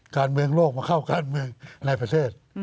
การเมืองโลกมาเข้าการเมืองในประเทศ